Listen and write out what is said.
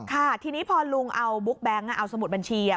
ค่ะทีนี้พอลุงเอาบุ๊กแบงค์เอาสมุดบัญชี